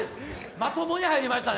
まともに入りましたね。